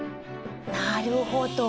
なるほど。